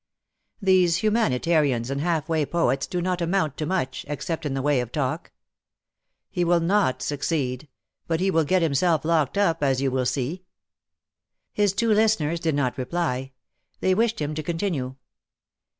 These humanitarians and half Avay poets do not amount to much, except in the Avay of talk. He Avill not 258 THE MARKETS OF PARIS. succeed — but he will get himself locked up — as you will see.'' His two listeners did not reply : they wished him to continue.